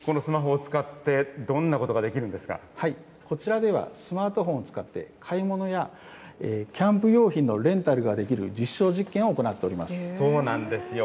このスマホを使って、どんなこちらではスマートフォンを使って、買い物やキャンプ用品のレンタルができる実証実験を行っそうなんですよ。